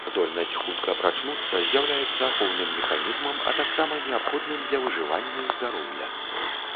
Здольнасць хутка прачнуцца з'яўляецца ахоўным механізмам, а таксама неабходным для выжывання і здароўя.